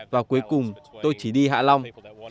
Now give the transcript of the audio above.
và cuối cùng tôi chỉ đi hạ long